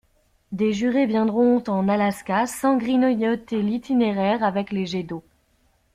Des jurés viendront en Alaska sans grignoter l'itinéraire avec les jets d'eau.